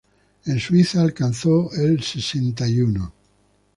En Suiza alcanzó el sesenta y uno.